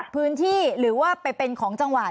พื้นที่หรือว่าไปเป็นของจังหวัด